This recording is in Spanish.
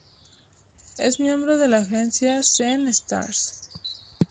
Es miembro de la agencia "Zen Stars".